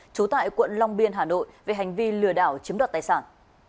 trú tại quận long biên hà nội về hành vi lừa đảo chiếm đoạt tài sản